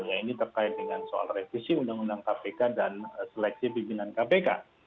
ya ini terkait dengan soal revisi undang undang kpk dan seleksi pimpinan kpk